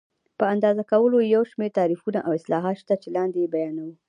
په اندازه کولو کې یو شمېر تعریفونه او اصلاحات شته چې لاندې یې بیانوو.